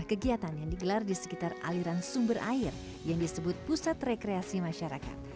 kegiatan yang digelar di sekitar aliran sumber air yang disebut pusat rekreasi masyarakat